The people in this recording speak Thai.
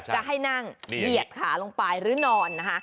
จะให้นั่งเหยียดขาลงไปหรือนอนนะคะ